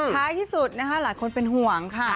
ท้ายที่สุดนะคะหลายคนเป็นห่วงค่ะ